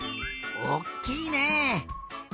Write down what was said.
おっきいね！